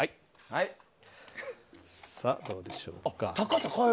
さあ、どうでしょうか。